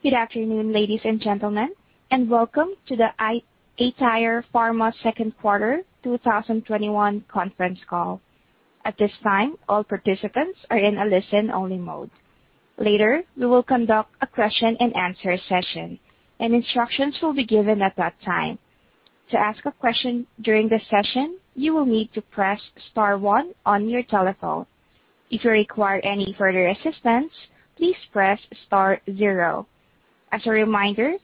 Good afternoon, ladies and gentlemen, and welcome to the aTyr Pharma second quarter 2021 conference call. At this time, all participants are in a listen-only mode. Later, we will conduct a question and answer session, and instructions will be given at that time. To ask a question during the session, you will need to press star one on your telephone. If you require any further assistance, please press star zero. As a reminder,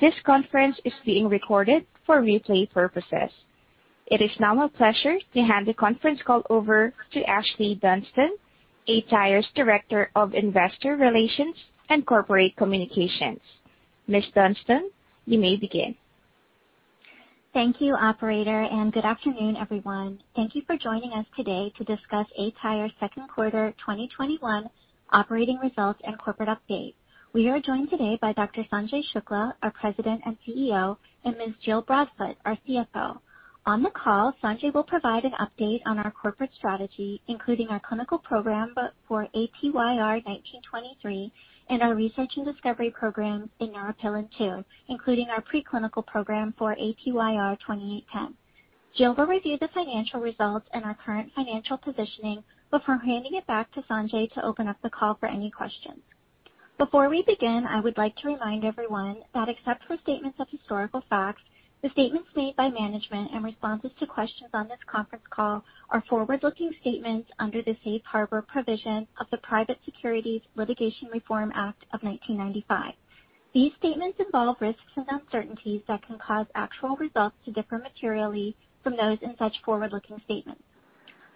this conference is being recorded for replay purposes. It is now my pleasure to hand the conference call over to Ashlee Dunston, aTyr's Director of Investor Relations and Corporate Communications. Ms. Dunston, you may begin. Thank you, operator, and good afternoon, everyone. Thank you for joining us today to discuss aTyr's second quarter 2021 operating results and corporate update. We are joined today by Dr. Sanjay Shukla, our President and CEO, and Ms. Jill Broadfoot, our CFO. On the call, Sanjay will provide an update on our corporate strategy, including our clinical program for ATYR1923 and our research and discovery program in Neuropilin-2, including our preclinical program for ATYR2810. Jill will review the financial results and our current financial positioning before handing it back to Sanjay to open up the call for any questions. Before we begin, I would like to remind everyone that except for statements of historical facts, the statements made by management and responses to questions on this conference call are forward-looking statements under the Safe Harbor provision of the Private Securities Litigation Reform Act of 1995. These statements involve risks and uncertainties that can cause actual results to differ materially from those in such forward-looking statements.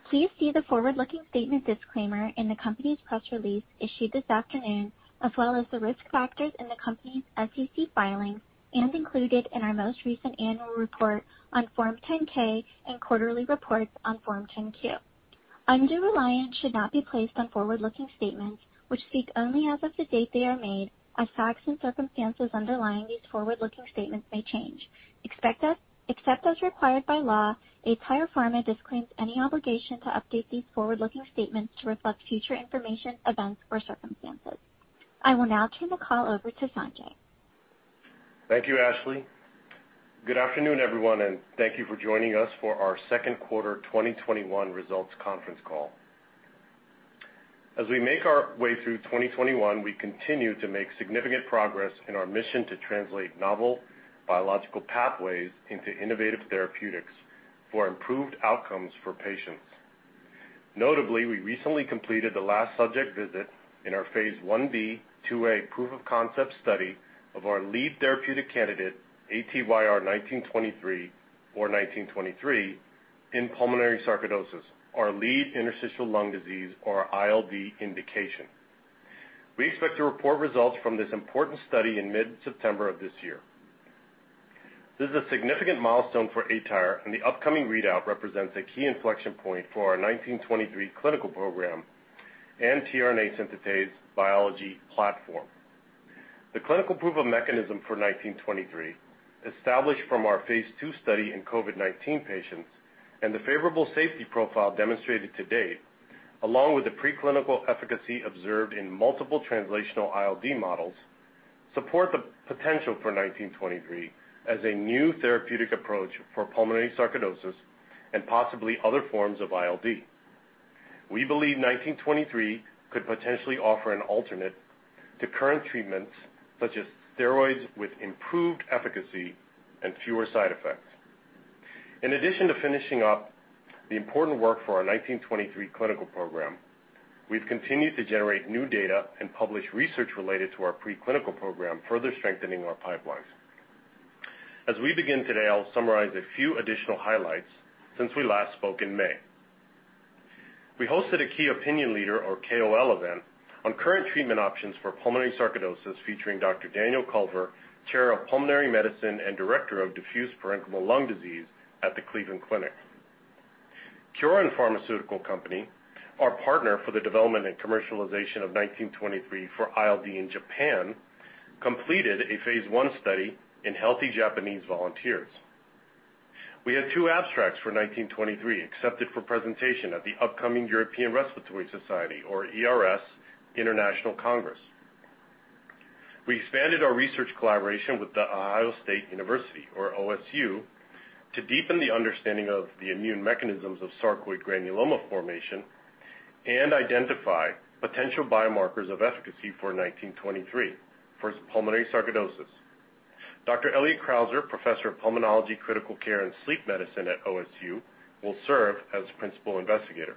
Please see the forward-looking statements disclaimer in the company's press release issued this afternoon, as well as the risk factors in the company's SEC filings and included in our most recent annual report on Form 10-K and quarterly reports on Form 10-Q. Undue reliance should not be placed on forward-looking statements, which speak only as of the date they are made, as facts and circumstances underlying these forward-looking statements may change. Except as required by law, aTyr Pharma disclaims any obligation to update these forward-looking statements to reflect future information, events, or circumstances. I will now turn the call over to Sanjay. Thank you, Ashlee. Good afternoon, everyone, and thank you for joining us for our second quarter 2021 results conference call. As we make our way through 2021, we continue to make significant progress in our mission to translate novel biological pathways into innovative therapeutics for improved outcomes for patients. Notably, we recently completed the last subject visit in our phase I-B/IIA proof of concept study of our lead therapeutic candidate, ATYR1923, or 1923, in pulmonary sarcoidosis, our lead interstitial lung disease, or ILD indication. We expect to report results from this important study in mid-September of this year. This is a significant milestone for aTyr, and the upcoming readout represents a key inflection point for our 1923 clinical program and tRNA synthetase biology platform. The clinical proof of mechanism for 1923, established from our phase II study in COVID-19 patients and the favorable safety profile demonstrated to date, along with the preclinical efficacy observed in multiple translational ILD models, support the potential for 1923 as a new therapeutic approach for pulmonary sarcoidosis and possibly other forms of ILD. We believe 1923 could potentially offer an alternate to current treatments, such as steroids, with improved efficacy and fewer side effects. In addition to finishing up the important work for our 1923 clinical program, we've continued to generate new data and publish research related to our preclinical program, further strengthening our pipelines. As we begin today, I'll summarize a few additional highlights since we last spoke in May. We hosted a key opinion leader, or KOL, event on current treatment options for pulmonary sarcoidosis, featuring Dr. Daniel Culver, chair of Pulmonary Medicine and director of Diffuse Parenchymal Lung Disease at the Cleveland Clinic. KYORIN Pharmaceutical Company, our partner for the development and commercialization of 1923 for ILD in Japan, completed a phase I study in healthy Japanese volunteers. We had two abstracts for 1923 accepted for presentation at the upcoming European Respiratory Society, or ERS, International Congress. We expanded our research collaboration with the Ohio State University, or OSU, to deepen the understanding of the immune mechanisms of sarcoid granuloma formation and identify potential biomarkers of efficacy for 1923 for pulmonary sarcoidosis. Dr. Elliott Crouser, Professor of Pulmonology, Critical Care and Sleep Medicine at OSU, will serve as Principal Investigator.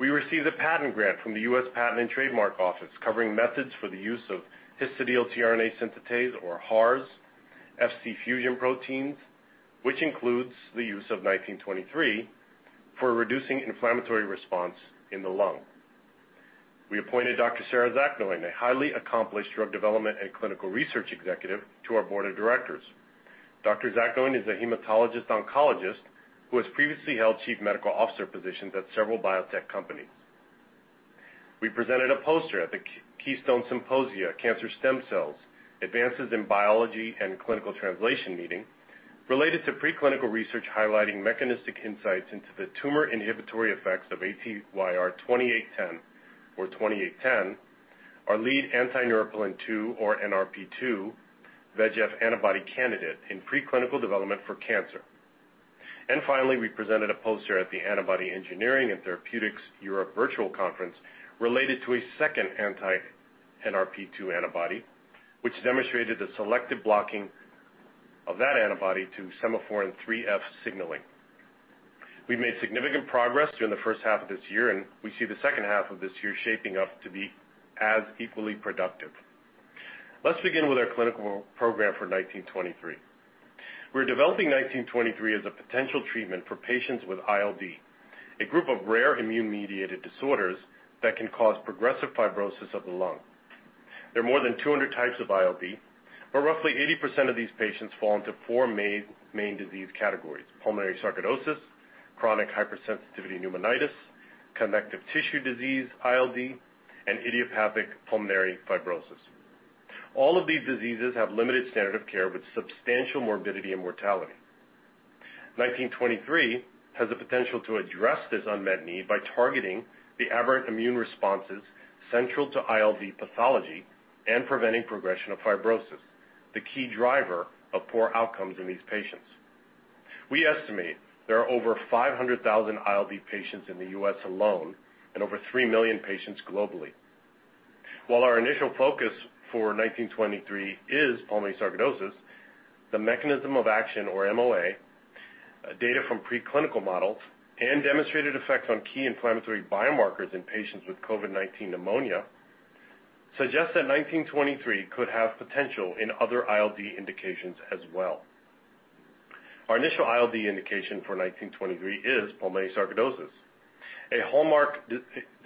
We received a patent grant from the U.S. Patent and Trademark Office covering methods for the use of histidyl-tRNA synthetase, or HARS/Fc fusion proteins, which includes the use of 1923 for reducing inflammatory response in the lung. We appointed Dr. Sara Zaknoen, a highly accomplished drug development and clinical research executive, to our board of directors. Dr. Zaknoen is a hematologist oncologist who has previously held Chief Medical Officer positions at several biotech companies. We presented a poster at the Keystone Symposia Cancer Stem Cells: Advances in Biology and Clinical Translation meeting related to preclinical research highlighting mechanistic insights into the tumor inhibitory effects of ATYR2810, or 2810, our lead anti-Neuropilin-2, or NRP2, VEGF antibody candidate in preclinical development for cancer. Finally, we presented a poster at the Antibody Engineering & Therapeutics Europe Virtual Conference related to a second anti-NRP2 antibody, which demonstrated the selective blocking of that antibody to Sema4 and 3F signaling. We've made significant progress during the first half of this year. We see the second half of this year shaping up to be as equally productive. Let's begin with our clinical program for 1923. We're developing 1923 as a potential treatment for patients with ILD, a group of rare immune-mediated disorders that can cause progressive fibrosis of the lung. There are more than 200 types of ILD, but roughly 80% of these patients fall into four main disease categories, pulmonary sarcoidosis, chronic hypersensitivity pneumonitis, connective tissue disease, ILD, and idiopathic pulmonary fibrosis. All of these diseases have limited standard of care with substantial morbidity and mortality. 1923 has the potential to address this unmet need by targeting the aberrant immune responses central to ILD pathology and preventing progression of fibrosis, the key driver of poor outcomes in these patients. We estimate there are over 500,000 ILD patients in the U.S. alone and over 3 million patients globally. While our initial focus for 1923 is pulmonary sarcoidosis, the mechanism of action or MOA, data from preclinical models, and demonstrated effects on key inflammatory biomarkers in patients with COVID-19 pneumonia suggest that 1923 could have potential in other ILD indications as well. Our initial ILD indication for 1923 is pulmonary sarcoidosis. A hallmark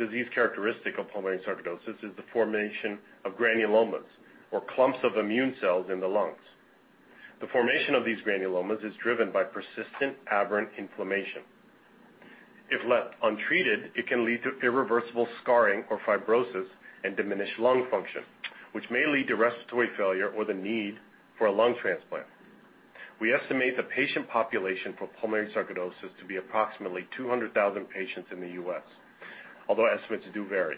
disease characteristic of pulmonary sarcoidosis is the formation of granulomas or clumps of immune cells in the lungs. The formation of these granulomas is driven by persistent aberrant inflammation. If left untreated, it can lead to irreversible scarring or fibrosis and diminished lung function, which may lead to respiratory failure or the need for a lung transplant. We estimate the patient population for pulmonary sarcoidosis to be approximately 200,000 patients in the U.S., although estimates do vary.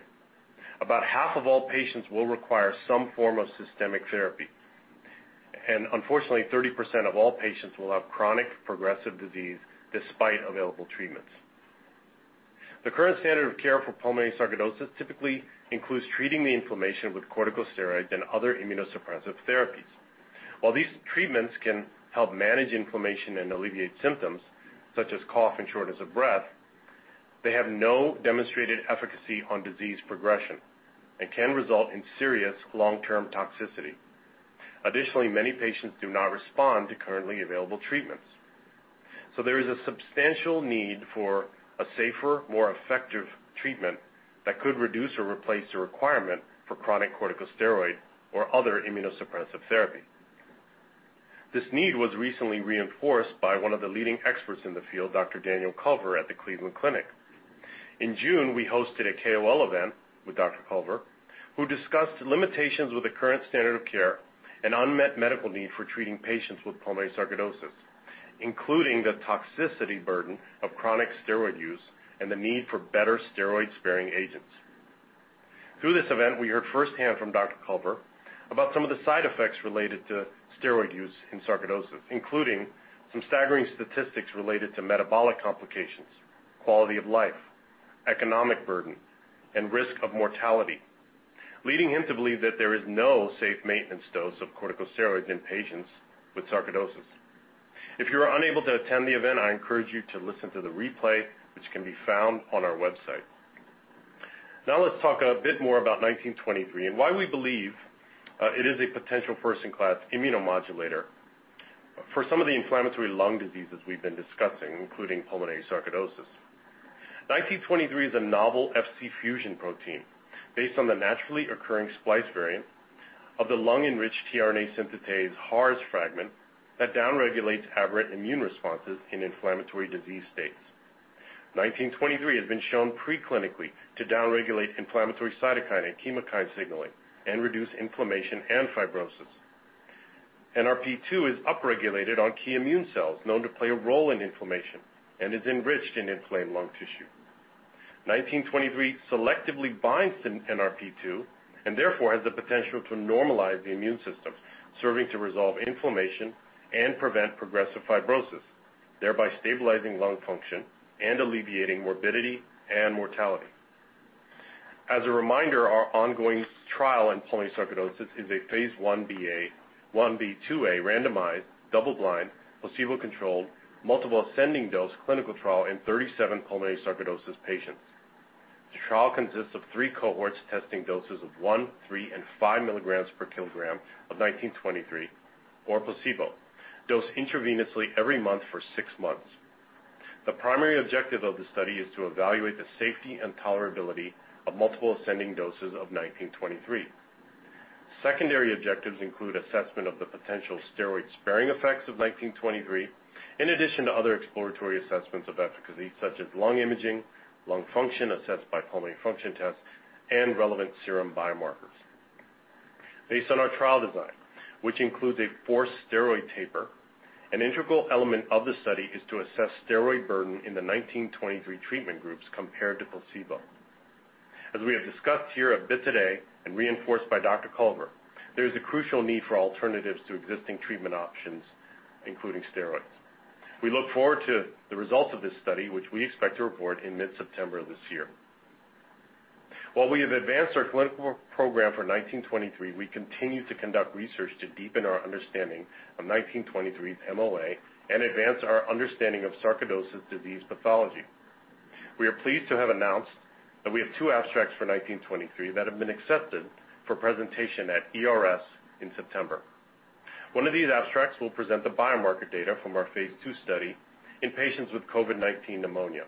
About half of all patients will require some form of systemic therapy. Unfortunately, 30% of all patients will have chronic progressive disease despite available treatments. The current standard of care for pulmonary sarcoidosis typically includes treating the inflammation with corticosteroids and other immunosuppressive therapies. While these treatments can help manage inflammation and alleviate symptoms such as cough and shortness of breath, they have no demonstrated efficacy on disease progression and can result in serious long-term toxicity. Additionally, many patients do not respond to currently available treatments. There is a substantial need for a safer, more effective treatment that could reduce or replace the requirement for chronic corticosteroid or other immunosuppressive therapy. This need was recently reinforced by one of the leading experts in the field, Dr. Daniel Culver at the Cleveland Clinic. In June, we hosted a KOL event with Dr. Culver, who discussed limitations with the current standard of care and unmet medical need for treating patients with pulmonary sarcoidosis, including the toxicity burden of chronic steroid use and the need for better steroid-sparing agents. Through this event, we heard firsthand from Dr. Culver about some of the side effects related to steroid use in sarcoidosis, including some staggering statistics related to metabolic complications, quality of life, economic burden, and risk of mortality, leading him to believe that there is no safe maintenance dose of corticosteroids in patients with sarcoidosis. If you were unable to attend the event, I encourage you to listen to the replay, which can be found on our website. Let's talk a bit more about 1923 and why we believe it is a potential first-in-class immunomodulator for some of the inflammatory lung diseases we've been discussing, including pulmonary sarcoidosis. 1923 is a novel Fc fusion protein based on the naturally occurring splice variant of the lung-enriched tRNA synthetase HARS fragment that downregulates aberrant immune responses in inflammatory disease states. 1923 has been shown preclinically to downregulate inflammatory cytokine and chemokine signaling and reduce inflammation and fibrosis. NRP2 is upregulated on key immune cells known to play a role in inflammation and is enriched in inflamed lung tissue. 1923 selectively binds to NRP2 and therefore has the potential to normalize the immune system, serving to resolve inflammation and prevent progressive fibrosis, thereby stabilizing lung function and alleviating morbidity and mortality. As a reminder, our ongoing trial in pulmonary sarcoidosis is a phase I-B/II randomized, double-blind, placebo-controlled, multiple ascending dose clinical trial in 37 pulmonary sarcoidosis patients. The trial consists of three cohorts testing doses of one, three, and five mg per kilogram of 1923 or placebo, dosed intravenously every month for six months. The primary objective of the study is to evaluate the safety and tolerability of multiple ascending doses of 1923. Secondary objectives include assessment of the potential steroid-sparing effects of 1923, in addition to other exploratory assessments of efficacy such as lung imaging, lung function assessed by pulmonary function tests, and relevant serum biomarkers. Based on our trial design, which includes a forced steroid taper, an integral element of the study is to assess steroid burden in the 1923 treatment groups compared to placebo. As we have discussed here a bit today, and reinforced by Dr. Culver, there is a crucial need for alternatives to existing treatment options, including steroids. We look forward to the results of this study, which we expect to report in mid-September of this year. While we have advanced our clinical program for 1923, we continue to conduct research to deepen our understanding of 1923's MOA and advance our understanding of sarcoidosis disease pathology. We are pleased to have announced that we have two abstracts for ATYR1923 that have been accepted for presentation at ERS in September. One of these abstracts will present the biomarker data from our phase II study in patients with COVID-19 pneumonia.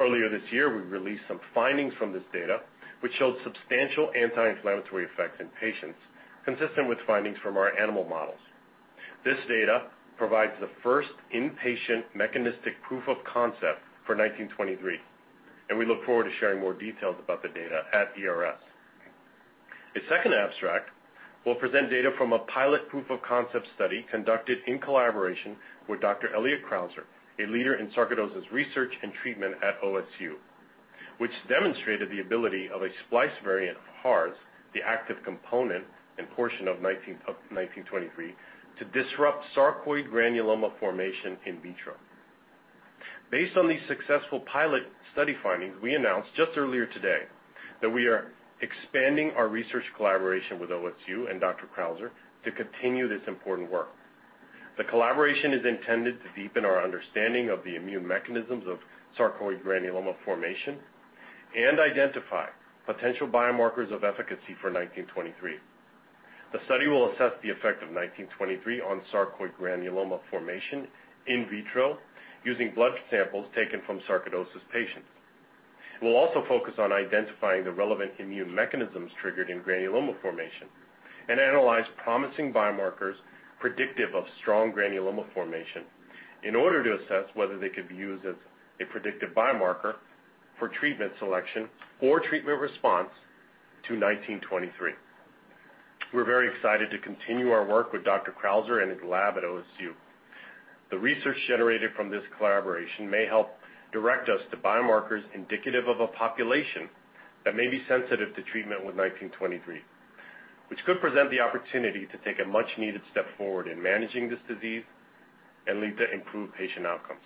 Earlier this year, we released some findings from this data, which showed substantial anti-inflammatory effects in patients, consistent with findings from our animal models. This data provides the first in-patient mechanistic proof of concept for ATYR1923, and we look forward to sharing more details about the data at ERS. A second abstract will present data from a pilot proof of concept study conducted in collaboration with Dr. Elliott Crouser, a leader in sarcoidosis research and treatment at OSU, which demonstrated the ability of a splice variant of HARS, the active component and portion of ATYR1923, to disrupt sarcoid granuloma formation in vitro. Based on these successful pilot study findings, we announced just earlier today that we are expanding our research collaboration with OSU and Dr. Crouser to continue this important work. The collaboration is intended to deepen our understanding of the immune mechanisms of sarcoid granuloma formation and identify potential biomarkers of efficacy for 1923. The study will assess the effect of 1923 on sarcoid granuloma formation in vitro using blood samples taken from sarcoidosis patients. It will also focus on identifying the relevant immune mechanisms triggered in granuloma formation and analyze promising biomarkers predictive of strong granuloma formation, in order to assess whether they could be used as a predictive biomarker for treatment selection or treatment response to 1923. We're very excited to continue our work with Dr. Crouser and his lab at OSU. The research generated from this collaboration may help direct us to biomarkers indicative of a population that may be sensitive to treatment with 1923, which could present the opportunity to take a much-needed step forward in managing this disease and lead to improved patient outcomes.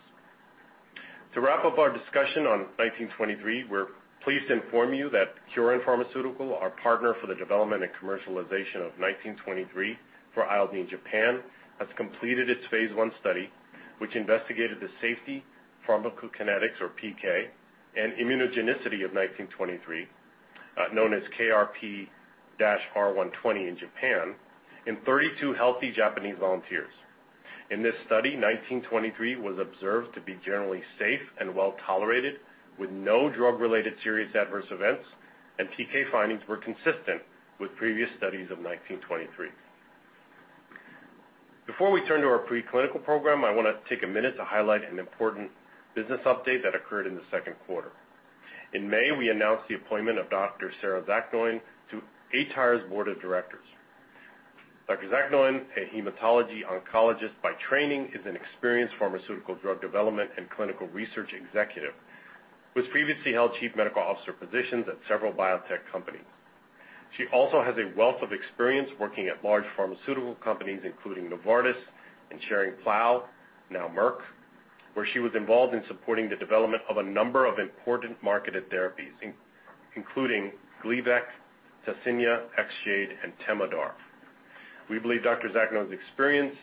To wrap up our discussion on 1923, we're pleased to inform you that KYORIN Pharmaceutical, our partner for the development and commercialization of 1923 for ILD in Japan, has completed its phase I study, which investigated the safety, pharmacokinetics or PK, and immunogenicity of 1923, known as KRP-R120 in Japan, in 32 healthy Japanese volunteers. In this study, 1923 was observed to be generally safe and well-tolerated with no drug-related serious adverse events, and PK findings were consistent with previous studies of 1923. Before we turn to our preclinical program, I want to take a minute to highlight an important business update that occurred in the second quarter. In May, we announced the appointment of Dr. Sara Zaknoen to aTyr's board of directors. Dr. Zaknoen, a hematology oncologist by training, is an experienced pharmaceutical drug development and clinical research executive who has previously held Chief Medical Officer positions at several biotech companies. She also has a wealth of experience working at large pharmaceutical companies, including Novartis and Schering-Plough, now Merck, where she was involved in supporting the development of a number of important marketed therapies, including Gleevec, TECFIDERA, XGEVA, and TEMODAR. We believe Dr. Zaknoen's experience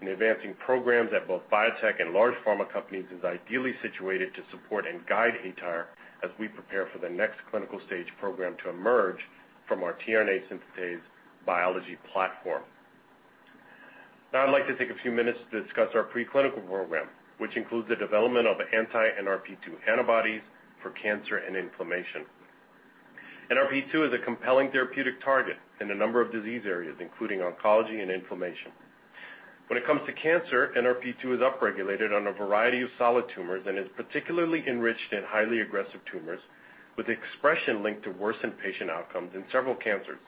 in advancing programs at both biotech and large pharma companies is ideally situated to support and guide aTyr as we prepare for the next clinical stage program to emerge from our tRNA synthetase biology platform. I'd like to take a few minutes to discuss our preclinical program, which includes the development of anti-NRP2 antibodies for cancer and inflammation. NRP2 is a compelling therapeutic target in a number of disease areas, including oncology and inflammation. When it comes to cancer, NRP2 is upregulated on a variety of solid tumors and is particularly enriched in highly aggressive tumors with expression linked to worsened patient outcomes in several cancers,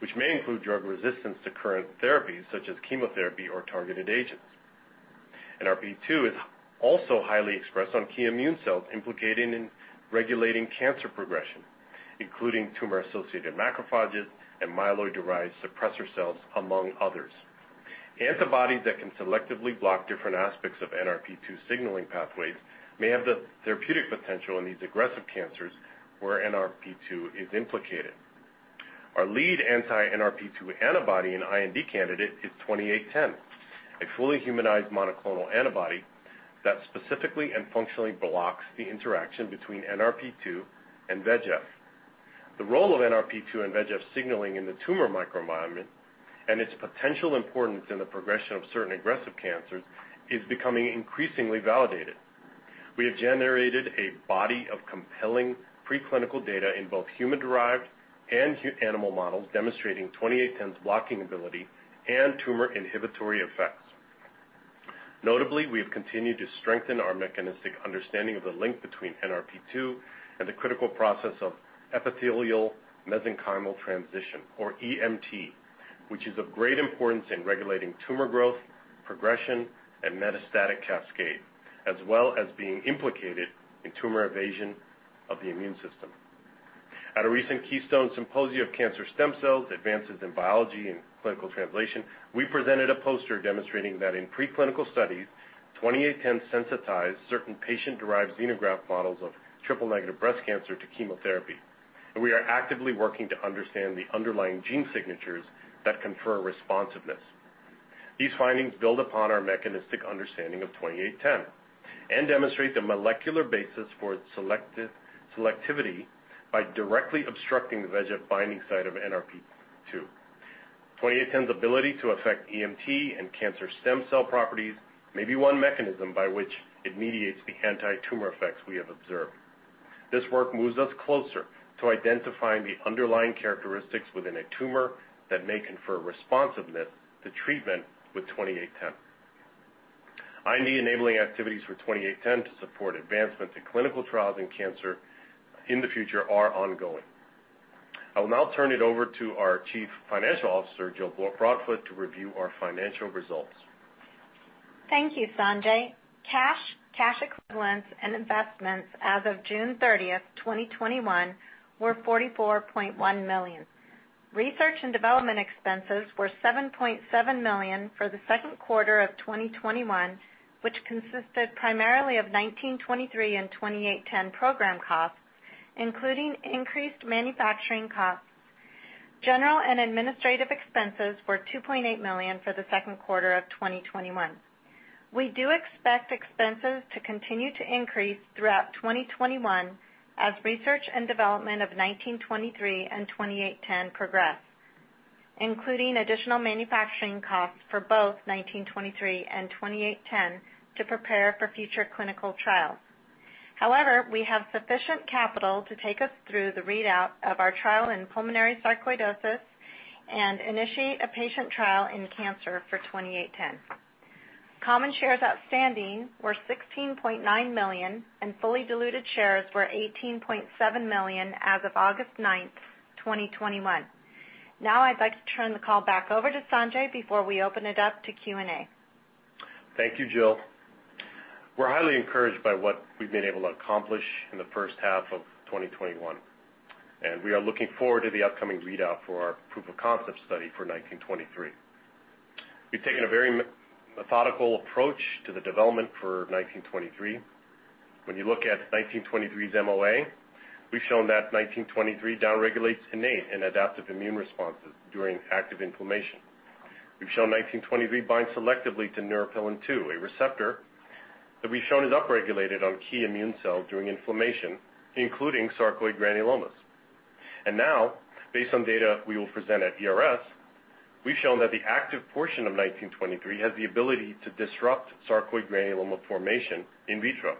which may include drug resistance to current therapies such as chemotherapy or targeted agents. NRP2 is also highly expressed on key immune cells implicating and regulating cancer progression, including tumor-associated macrophages and myeloid-derived suppressor cells, among others. Antibodies that can selectively block different aspects of NRP2 signaling pathways may have the therapeutic potential in these aggressive cancers where NRP2 is implicated. Our lead anti-NRP2 antibody and IND candidate is ATYR2810, a fully humanized monoclonal antibody that specifically and functionally blocks the interaction between NRP2 and VEGF. The role of NRP2 and VEGF signaling in the tumor microenvironment and its potential importance in the progression of certain aggressive cancers is becoming increasingly validated. We have generated a body of compelling preclinical data in both human-derived and animal models demonstrating ATYR2810's blocking ability and tumor inhibitory effects. Notably, we have continued to strengthen our mechanistic understanding of the link between NRP2 and the critical process of epithelial-mesenchymal transition, or EMT, which is of great importance in regulating tumor growth, progression, and metastatic cascade, as well as being implicated in tumor evasion of the immune system. At a recent Keystone Symposia of Cancer Stem Cells, Advances in Biology and Clinical Translation, we presented a poster demonstrating that in preclinical studies, 2810 sensitized certain patient-derived xenograft models of triple-negative breast cancer to chemotherapy. We are actively working to understand the underlying gene signatures that confer responsiveness. These findings build upon our mechanistic understanding of 2810 and demonstrate the molecular basis for its selectivity by directly obstructing the VEGF binding site of NRP2. 2810's ability to affect EMT and cancer stem cell properties may be one mechanism by which it mediates the anti-tumor effects we have observed. This work moves us closer to identifying the underlying characteristics within a tumor that may confer responsiveness to treatment with 2810. IND-enabling activities for 2810 to support advancement to clinical trials in cancer in the future are ongoing. I will now turn it over to our Chief Financial Officer, Jill Broadfoot, to review our financial results. Thank you, Sanjay. Cash, cash equivalents, and investments as of June 30th, 2021, were $44.1 million. Research and development expenses were $7.7 million for the second quarter of 2021, which consisted primarily of 1923 and 2810 program costs, including increased manufacturing costs. General and administrative expenses were $2.8 million for the second quarter of 2021. We do expect expenses to continue to increase throughout 2021 as research and development of 1923 and 2810 progress, including additional manufacturing costs for both 1923 and 2810 to prepare for future clinical trials. However, we have sufficient capital to take us through the readout of our trial in pulmonary sarcoidosis and initiate a patient trial in cancer for 2810. Common shares outstanding were 16.9 million, and fully diluted shares were 18.7 million as of August 9th, 2021. Now I'd like to turn the call back over to Sanjay before we open it up to Q&A. Thank you, Jill. We're highly encouraged by what we've been able to accomplish in the first half of 2021, we are looking forward to the upcoming readout for our proof of concept study for 1923. We've taken a very methodical approach to the development for 1923. When you look at 1923's MOA, we've shown that 1923 down-regulates innate and adaptive immune responses during active inflammation. We've shown 1923 binds selectively to Neuropilin-2, a receptor that we've shown is upregulated on key immune cells during inflammation, including sarcoid granulomas. Now, based on data we will present at ERS, we've shown that the active portion of 1923 has the ability to disrupt sarcoid granuloma formation in vitro.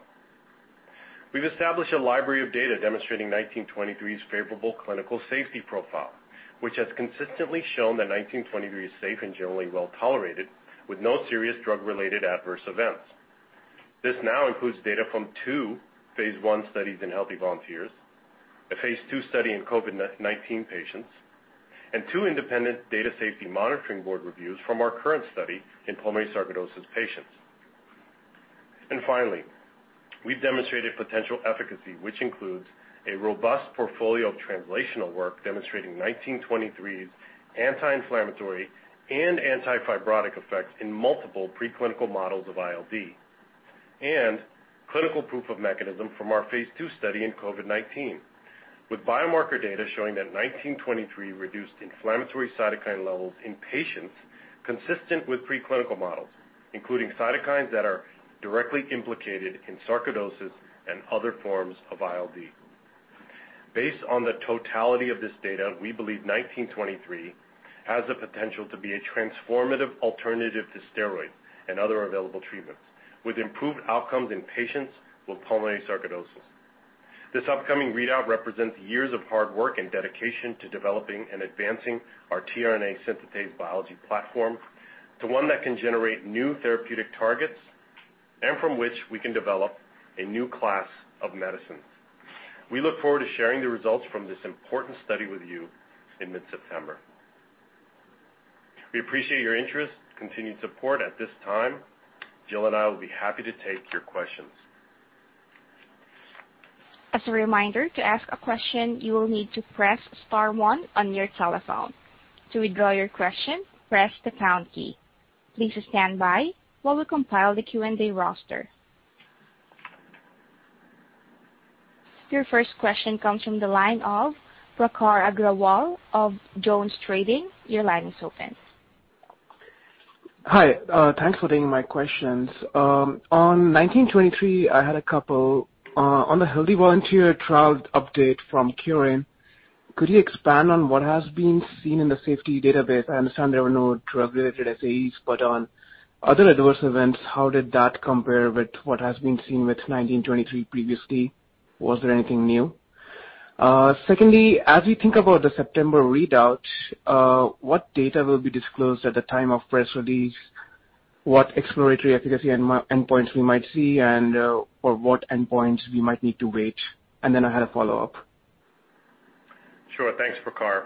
We've established a library of data demonstrating 1923's favorable clinical safety profile, which has consistently shown that 1923 is safe and generally well-tolerated, with no serious drug-related adverse events. This now includes data from two phase I studies in healthy volunteers, a phase II study in COVID-19 patients, and two independent data safety monitoring board reviews from our current study in pulmonary sarcoidosis patients. Finally, we've demonstrated potential efficacy, which includes a robust portfolio of translational work demonstrating 1923's anti-inflammatory and anti-fibrotic effects in multiple preclinical models of ILD, and clinical proof of mechanism from our phase II study in COVID-19, with biomarker data showing that 1923 reduced inflammatory cytokine levels in patients consistent with preclinical models, including cytokines that are directly implicated in sarcoidosis and other forms of ILD. Based on the totality of this data, we believe 1923 has the potential to be a transformative alternative to steroids and other available treatments, with improved outcomes in patients with pulmonary sarcoidosis. This upcoming readout represents years of hard work and dedication to developing and advancing our tRNA synthetase biology platform to one that can generate new therapeutic targets, and from which we can develop a new class of medicines. We look forward to sharing the results from this important study with you in mid-September. We appreciate your interest and continued support. At this time, Jill and I will be happy to take your questions. Your first question comes from the line of Prakhar Agrawal of JonesTrading. Your line is open. Hi. Thanks for taking my questions. On 1923, I had a couple. On the healthy volunteer trial update from KYORIN, could you expand on what has been seen in the safety database? I understand there were no drug-related SAEs, but on other adverse events, how did that compare with what has been seen with 1923 previously? Was there anything new? As you think about the September readout, what data will be disclosed at the time of press release? What exploratory efficacy endpoints we might see and for what endpoints we might need to wait? I had a follow-up. Thanks, Prakhar.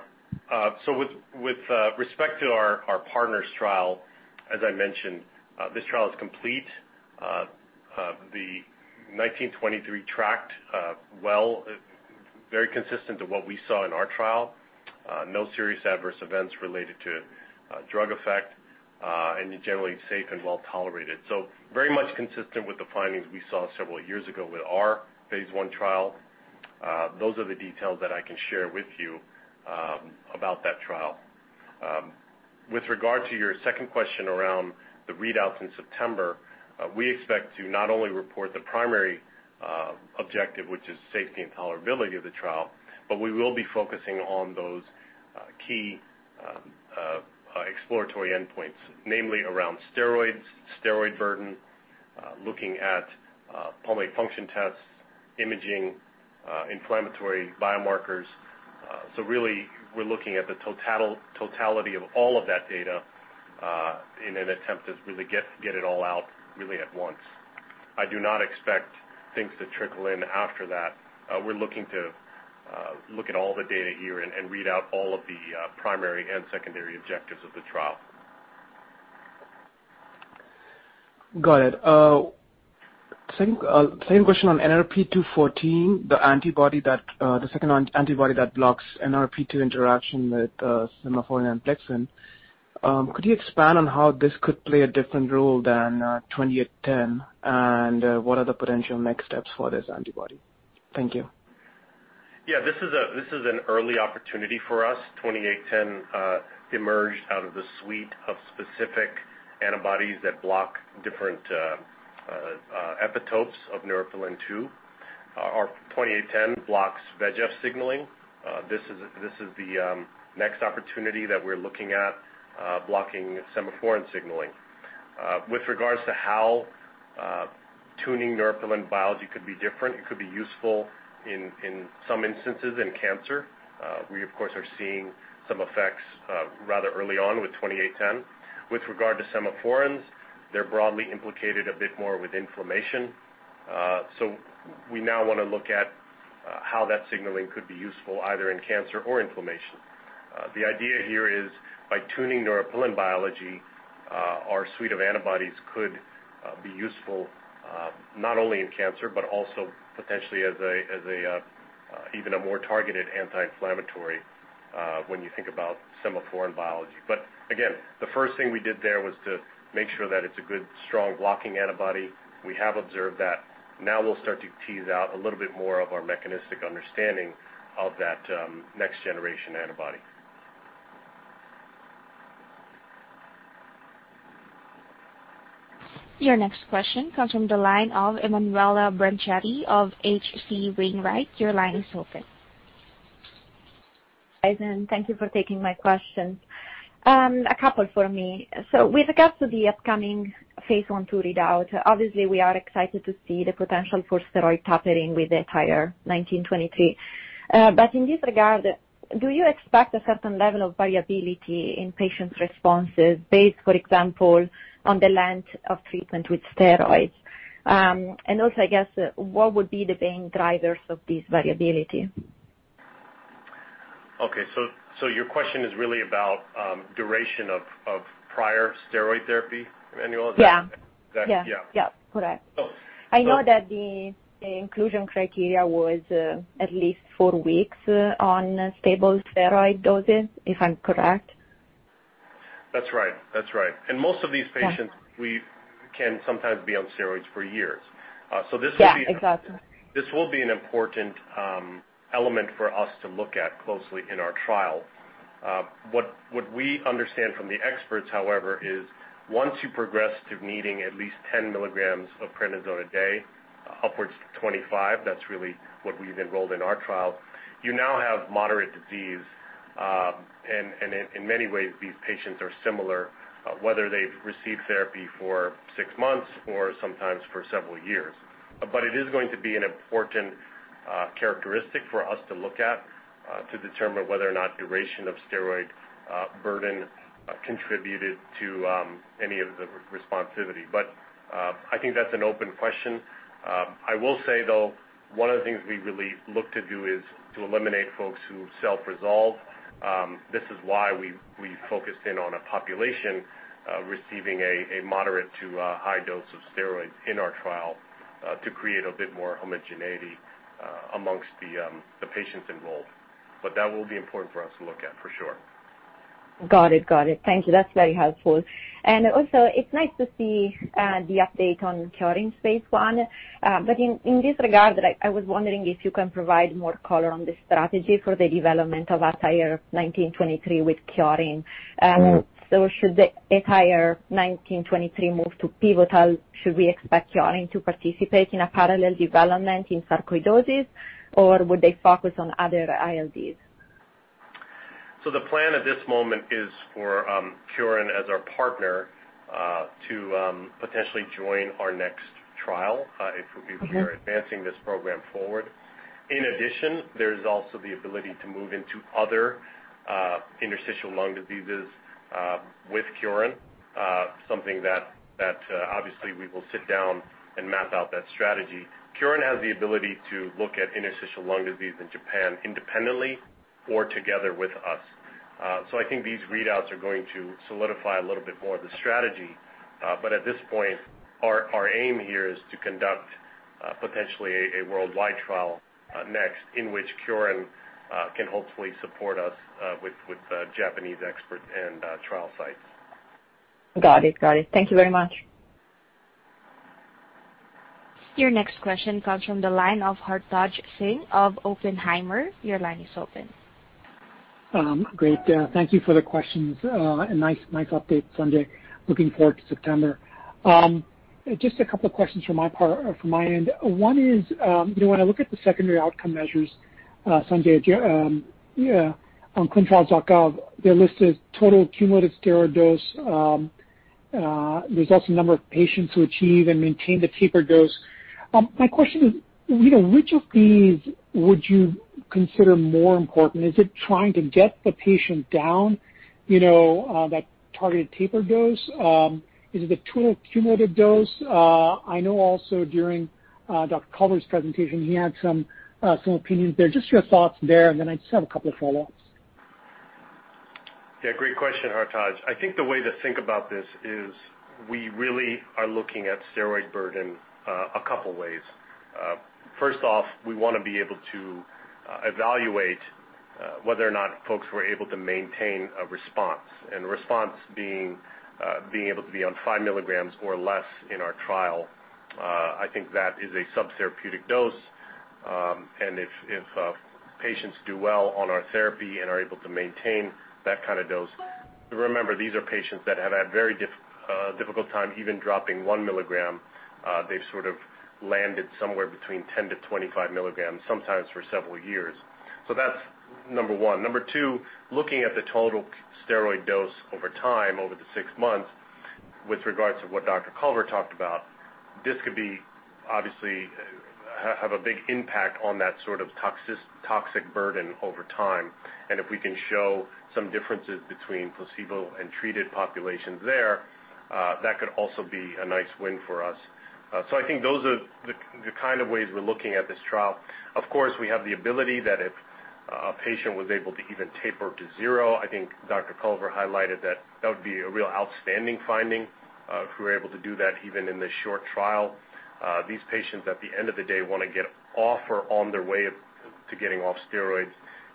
With respect to our partner's trial, as I mentioned, this trial is complete. The 1923 tracked well, very consistent to what we saw in our trial. No serious adverse events related to drug effect, and generally safe and well-tolerated. Very much consistent with the findings we saw several years ago with our phase I trial. Those are the details that I can share with you about that trial. With regard to your second question around the readouts in September, we expect to not only report the primary objective, which is safety and tolerability of the trial, we will be focusing on those key exploratory endpoints, namely around steroids, steroid burden, looking at pulmonary function tests, imaging, inflammatory biomarkers. Really, we're looking at the totality of all of that data, in an attempt to really get it all out really at once. I do not expect things to trickle in after that. We're looking to look at all the data here and read out all of the primary and secondary objectives of the trial. Got it. Same question on aNRP2-14, the second antibody that blocks NRP2 interaction with Semaphorin and Plexin. Could you expand on how this could play a different role than 2810, and what are the potential next steps for this antibody? Thank you. Yeah, this is an early opportunity for us. 2810 emerged out of the suite of specific antibodies that block different epitopes of Neuropilin-2. Our 2810 blocks VEGF signaling. This is the next opportunity that we're looking at blocking Semaphorin signaling. With regards to how tuning Neuropilin biology could be different, it could be useful in some instances in cancer. We of course, are seeing some effects rather early on with 2810. With regard to Semaphorins, they're broadly implicated a bit more with inflammation. We now want to look at how that signaling could be useful either in cancer or inflammation. The idea here is by tuning Neuropilin biology, our suite of antibodies could be useful, not only in cancer, but also potentially as even a more targeted anti-inflammatory, when you think about Semaphorin biology. Again, the first thing we did there was to make sure that it's a good, strong blocking antibody. We have observed that. Now we'll start to tease out a little bit more of our mechanistic understanding of that next generation antibody. Your next question comes from the line of Emanuela Branchetti of H.C. Wainwright. Your line is open. Thank you for taking my questions. A couple for me. With regards to the upcoming phase I/II readout, obviously we are excited to see the potential for steroid tapering with ATYR1923. In this regard, do you expect a certain level of variability in patients' responses based, for example, on the length of treatment with steroids? I guess, what would be the main drivers of this variability? Okay. Your question is really about duration of prior steroid therapy, Emanuela? Yeah. Is that- Yeah. Yeah. Yeah. Correct. Oh. I know that the inclusion criteria was at least four weeks on stable steroid doses, if I'm correct? That's right. Most of these patients. Yeah We can sometimes be on steroids for years. Yeah, exactly. this will be an important element for us to look at closely in our trial. What we understand from the experts, however, is once you progress to needing at least 10 mg of prednisone a day, upwards to 25, that's really what we've enrolled in our trial. You now have moderate disease, and in many ways, these patients are similar, whether they've received therapy for six months or sometimes for several years. It is going to be an important characteristic for us to look at to determine whether or not duration of steroid burden contributed to any of the responsivity. I think that's an open question. I will say, though, one of the things we really look to do is to eliminate folks who self-resolve. This is why we focused in on a population receiving a moderate to high dose of steroids in our trial, to create a bit more homogeneity amongst the patients involved. That will be important for us to look at for sure. Got it. Thank you. That's very helpful. Also, it's nice to see the update on KYORIN phase I. In this regard, I was wondering if you can provide more color on the strategy for the development of ATYR1923 with KYORIN? Should the ATYR1923 move to pivotal, should we expect KYORIN to participate in a parallel development in sarcoidosis? Would they focus on other ILDs? The plan at this moment is for KYORIN as our partner to potentially join our next trial. Okay are advancing this program forward. In addition, there's also the ability to move into other interstitial lung diseases with KYORIN, something that obviously we will sit down and map out that strategy. KYORIN has the ability to look at interstitial lung disease in Japan independently or together with us. I think these readouts are going to solidify a little bit more of the strategy. At this point, our aim here is to conduct potentially a worldwide trial next, in which KYORIN can hopefully support us with Japanese expert and trial sites. Got it. Thank you very much. Your next question comes from the line of Hartaj Singh of Oppenheimer. Your line is open. Great. Thank you for the questions, and nice update, Sanjay. Looking forward to September. A couple of questions from my end. One is, when I look at the secondary outcome measures, Sanjay, on ClinicalTrials.gov, they list as total cumulative steroid dose. There's also the number of patients who achieve and maintain the taper dose. My question is, which of these would you consider more important? Is it trying to get the patient down, that targeted taper dose? Is it the total cumulative dose? I know also during Dr. Culver's presentation, he had some opinions there. Your thoughts there, and then I just have a couple of follow-ups. Great question, Hartaj Singh. The way to think about this is we really are looking at steroid burden a couple ways. First off, we want to be able to evaluate whether or not folks were able to maintain a response, and response being able to be on 5 mg or less in our trial. That is a subtherapeutic dose, and if patients do well on our therapy and are able to maintain that kind of dose. Remember, these are patients that have had very difficult time even dropping 1 milligram. They've sort of landed somewhere between 10 mg-25 mg, sometimes for several years. That's number one. Number two, looking at the total steroid dose over time, over the 6 months, with regards to what Dr. Culver talked about, this could obviously have a big impact on that sort of toxic burden over time. If we can show some differences between placebo and treated populations there, that could also be a nice win for us. I think those are the kind of ways we're looking at this trial. Of course, we have the ability that if a patient was able to even taper to zero, I think Dr. Culver highlighted that that would be a real outstanding finding if we're able to do that even in this short trial. These patients, at the end of the day, want to get off or on their way to getting off steroids.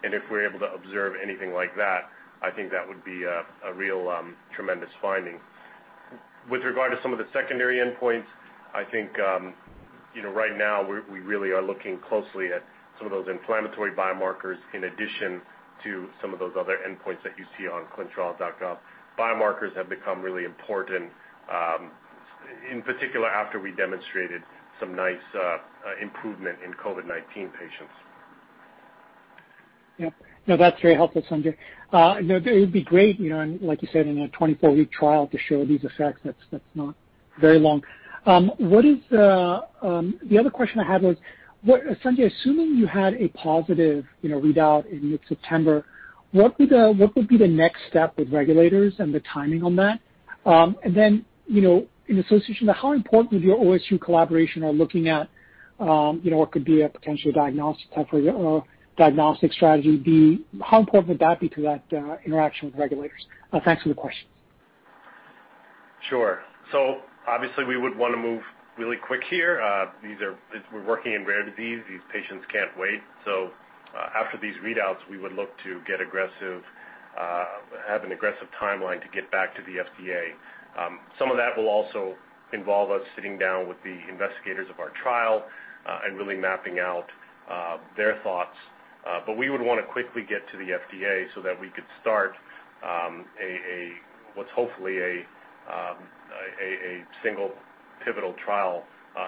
If we're able to observe anything like that, I think that would be a real tremendous finding. With regard to some of the secondary endpoints, I think, right now we really are looking closely at some of those inflammatory biomarkers in addition to some of those other endpoints that you see on ClinicalTrials.gov. Biomarkers have become really important, in particular after we demonstrated some nice improvement in COVID-19 patients. Yep. No, that's very helpful, Sanjay. It would be great, like you said, in a 24-week trial to show these effects. That's not very long. The other question I had was, Sanjay, assuming you had a positive readout in mid-September, what would be the next step with regulators and the timing on that? In association, how important would your OSU collaboration on looking at what could be a potential diagnostic type or diagnostic strategy be? How important would that be to that interaction with regulators? Thanks for the question. Sure. Obviously we would want to move really quick here. We're working in rare disease. These patients can't wait. After these readouts, we would look to have an aggressive timeline to get back to the FDA. Some of that will also involve us sitting down with the investigators of our trial and really mapping out their thoughts. We would want to quickly get to the FDA so that we could start what's hopefully a single pivotal trial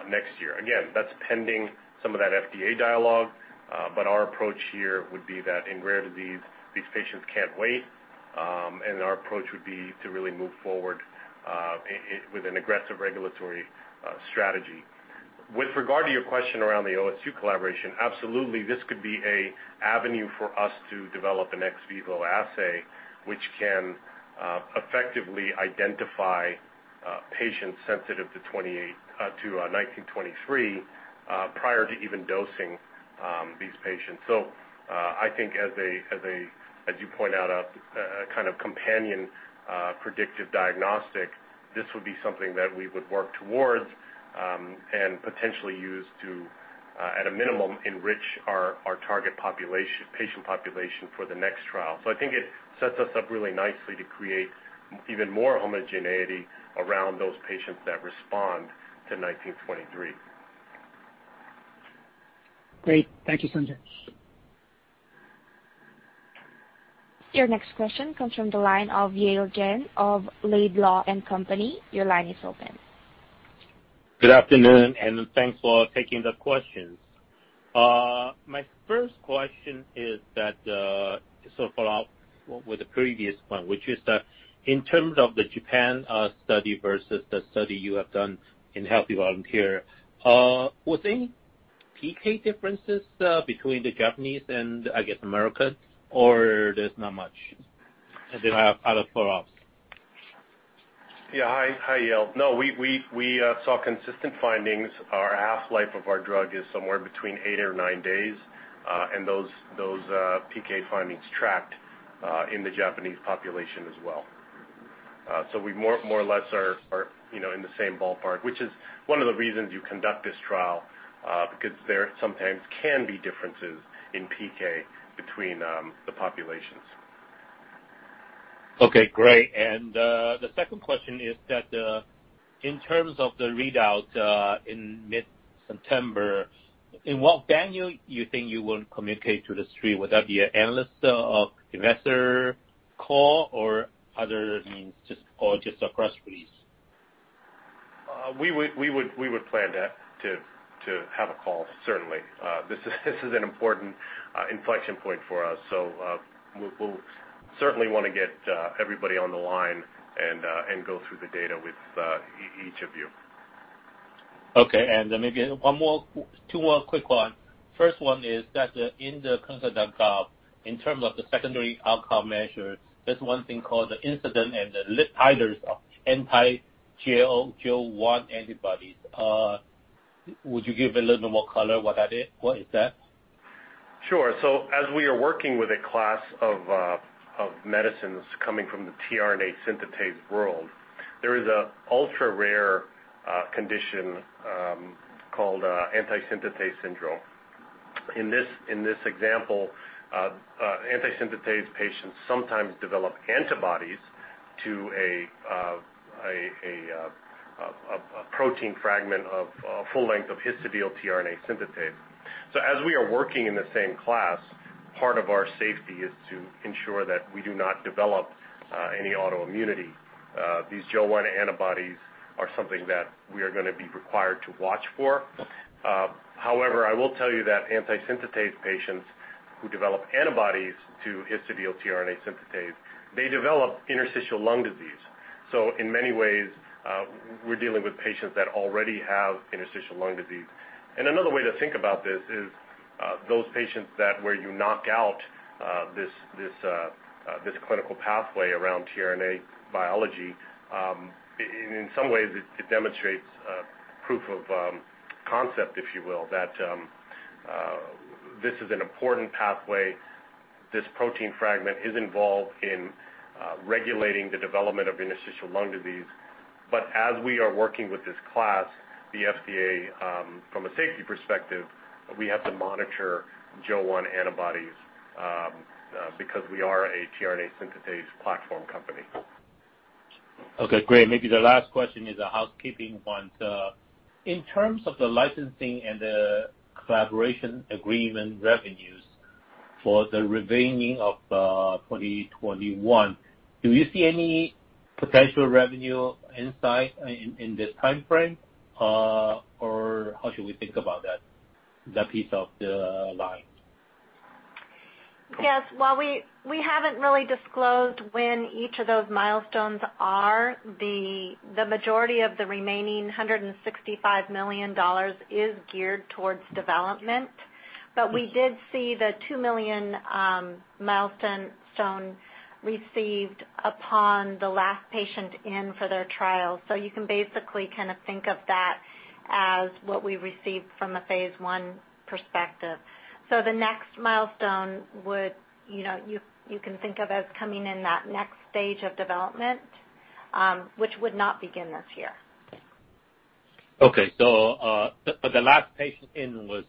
next year. Again, that's pending some of that FDA dialogue. Our approach here would be that in rare disease, these patients can't wait, and our approach would be to really move forward with an aggressive regulatory strategy. With regard to your question around the OSU collaboration, absolutely, this could be an avenue for us to develop an ex vivo assay which can effectively identify patients sensitive to 1923 prior to even dosing these patients. I think as you point out, a kind of companion predictive diagnostic, this would be something that we would work towards, and potentially use to, at a minimum, enrich our target patient population for the next trial. I think it sets us up really nicely to create even more homogeneity around those patients that respond to 1923. Great. Thank you, Sanjay. Your next question comes from the line of Yale Jen of Laidlaw & Company. Your line is open. Good afternoon, and thanks for taking the questions. My first question is that, follow up with the previous one, which is that in terms of the Japan study versus the study you have done in healthy volunteer, were there any PK differences between the Japanese and, I guess, American, or there's not much? I have other follow-ups. Yeah. Hi, Yale. No, we saw consistent findings. Our half-life of our drug is somewhere between eight or nine days. Those PK findings tracked in the Japanese population as well. We more or less are in the same ballpark, which is one of the reasons you conduct this trial. There sometimes can be differences in PK between the populations. Okay, great. The second question is that in terms of the readout in mid-September, in what venue you think you will communicate to the street? Would that be an analyst or investor call, or other means, or just a press release? We would plan to have a call, certainly. This is an important inflection point for us. We'll certainly want to get everybody on the line and go through the data with each of you. Okay. Maybe two more quick one. First one is that in the ClinicalTrials.gov, in term of the secondary outcome measures, there's one thing called the incident and the titers of anti-Jo-1 antibodies. Would you give a little more color what is that? Sure. As we are working with a class of medicines coming from the tRNA synthetase world, there is a ultra-rare condition called anti-synthetase syndrome. In this example, anti-synthetase patients sometimes develop antibodies to a protein fragment of full length of histidyl-tRNA synthetase. As we are working in the same class, part of our safety is to ensure that we do not develop any autoimmunity. These Jo-1 antibodies are something that we are going to be required to watch for. I will tell you that anti-synthetase patients who develop antibodies to histidyl-tRNA synthetase, they develop interstitial lung disease. In many ways, we're dealing with patients that already have interstitial lung disease. Another way to think about this is those patients that where you knock out this clinical pathway around tRNA biology, in some ways it demonstrates proof of concept, if you will, that this is an important pathway. This protein fragment is involved in regulating the development of interstitial lung disease. As we are working with this class, the FDA, from a safety perspective, we have to monitor Jo-1 antibodies because we are a tRNA synthetase platform company. Okay, great. Maybe the last question is a housekeeping one. In terms of the licensing and the collaboration agreement revenues for the remaining of 2021, do you see any potential revenue insight in this time frame? How should we think about that piece of the line? Yes. While we haven't really disclosed when each of those milestones are, the majority of the remaining $165 million is geared towards development. We did see the $2 million milestone received upon the last patient in for their trial. You can basically kind of think of that as what we received from a phase I perspective. The next milestone would, you can think of as coming in that next stage of development, which would not begin this year. Okay. The last patient in was.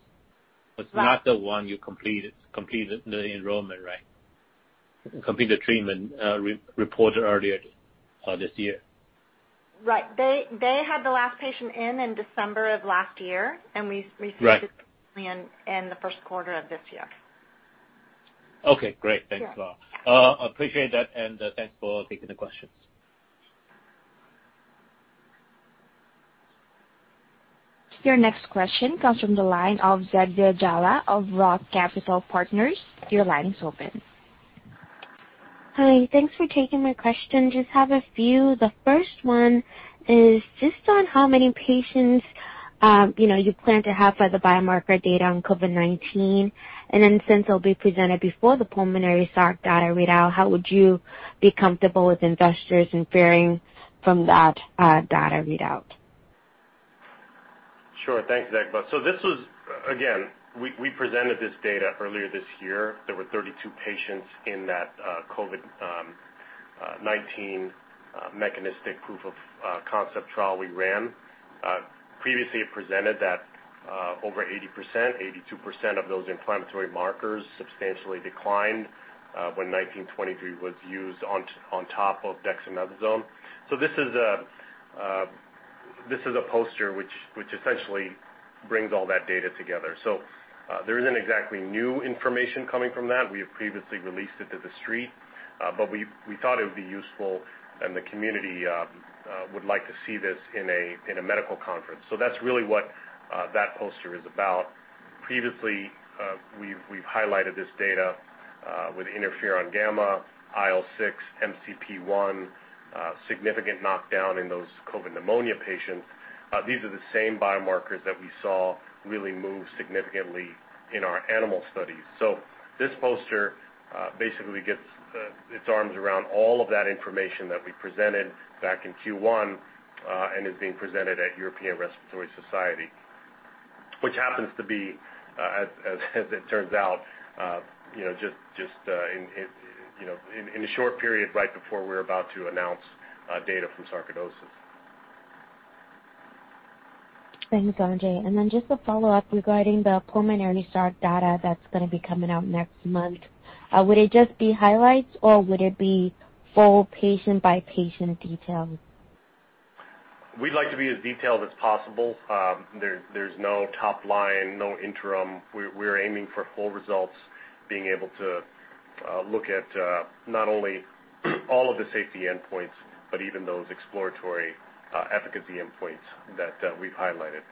Right not the one you completed the enrollment, right? Completed the treatment reported earlier this year. Right. They had the last patient in in December of last year. Right received this in the first quarter of this year. Okay, great. Sure. Thanks a lot. Appreciate that. Thanks for taking the questions. Your next question comes from the line of Zegbeh Jallah of Roth Capital Partners. Your line is open. Hi. Thanks for taking my question. Just have a few. The first one is just on how many patients you plan to have for the biomarker data on COVID-19. Since it'll be presented before the pulmonary sarc data readout, how would you be comfortable with investors inferring from that data readout? Sure. Thanks, Zegbeh. We presented this data earlier this year. There were 32 patients in that COVID-19 mechanistic proof of concept trial we ran. We previously presented that over 80%-82% of those inflammatory markers substantially declined when 1923 was used on top of dexamethasone. This is a poster which essentially brings all that data together. There isn't exactly new information coming from that. We have previously released it to the street, we thought it would be useful and the community would like to see this in a medical conference. That's really what that poster is about. Previously, we've highlighted this data with interferon gamma, IL-6, MCP-1, significant knockdown in those COVID pneumonia patients. These are the same biomarkers that we saw really move significantly in our animal studies. This poster basically gets its arms around all of that information that we presented back in Q1 and is being presented at European Respiratory Society, which happens to be, as it turns out, just in a short period right before we're about to announce data from sarcoidosis. Thanks, Sanjay. Just a follow-up regarding the pulmonary SARC data that's going to be coming out next month. Would it just be highlights, or would it be full patient-by-patient details? We'd like to be as detailed as possible. There's no top line, no interim. We're aiming for full results, being able to look at not only all of the safety endpoints, but even those exploratory efficacy endpoints that we've highlighted.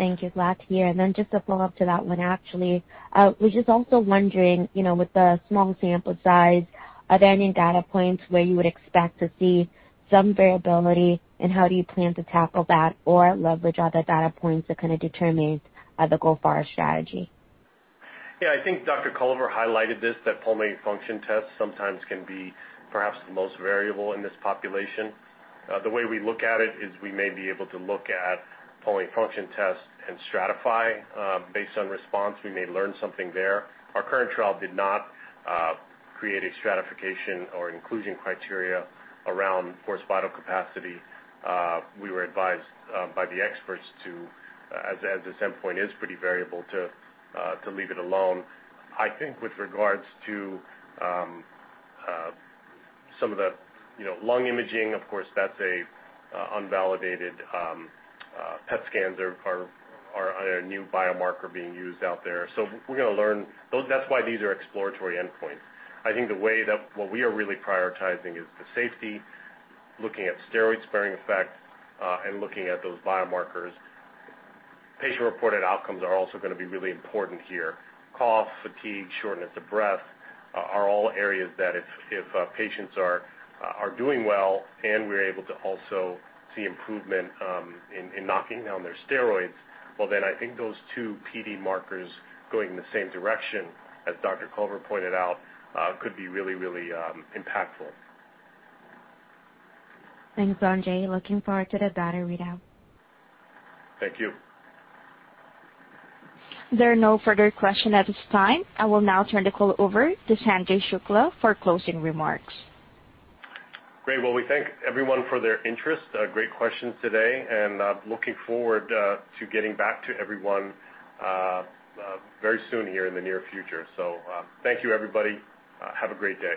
Thank you. Glad to hear. Just a follow-up to that one, actually. I was just also wondering, with the small sample size, are there any data points where you would expect to see some variability, and how do you plan to tackle that or leverage other data points to kind of determine the go-forward strategy? Yeah, I think Dr. Culver highlighted this, that pulmonary function tests sometimes can be perhaps the most variable in this population. The way we look at it is we may be able to look at pulmonary function tests and stratify based on response. We may learn something there. Our current trial did not create a stratification or inclusion criteria around forced vital capacity. We were advised by the experts to, as this endpoint is pretty variable, to leave it alone. I think with regards to some of the lung imaging, of course, that's unvalidated. PET scans are a new biomarker being used out there. We're going to learn. That's why these are exploratory endpoints. I think the way that what we are really prioritizing is the safety, looking at steroid-sparing effects, and looking at those biomarkers. Patient-reported outcomes are also going to be really important here. Cough, fatigue, shortness of breath are all areas that if patients are doing well and we're able to also see improvement in knocking down their steroids, well then I think those two PD markers going in the same direction, as Dr. Culver pointed out, could be really impactful. Thanks, Sanjay. Looking forward to the data readout. Thank you. There are no further questions at this time. I will now turn the call over to Sanjay Shukla for closing remarks. Great. Well, we thank everyone for their interest. Great questions today, looking forward to getting back to everyone very soon here in the near future. Thank you, everybody. Have a great day.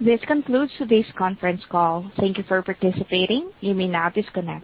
This concludes today's conference call. Thank you for participating. You may now disconnect.